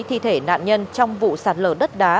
thi thể nạn nhân trong vụ sạt lở đất đá